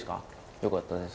よかったです。